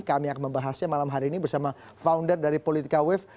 kami akan membahasnya malam hari ini bersama founder dari politika wave